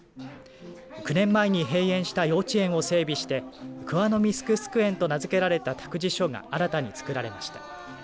９年前に閉園した幼稚園を整備してくわのみすくすくえんと名付けられた託児所が新たに作られました。